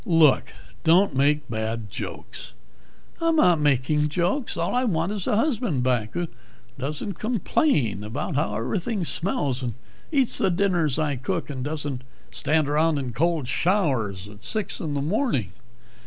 "Look, don't make bad jokes " "I'm not making jokes! All I want is a husband back who doesn't complain about how everything smells, and eats the dinners I cook, and doesn't stand around in cold showers at six in the morning."